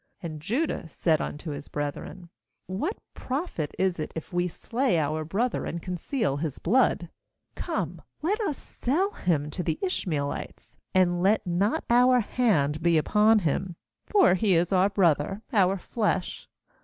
^And Judah said unto his brethren: 'What pr,ofit is it if we slay our brother and conceal his blood? 27Come, and let us sell him to the Ishmaelites, and let not our hand be upon him; for he is our brother, our flesh.'